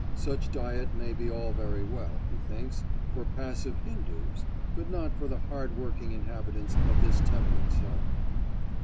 Such diet may be all very well, he thinks, for passive Hindoos, but not for the hard working inhabitants of this temperate zone.